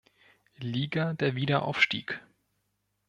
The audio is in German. Liga der Wiederaufstieg.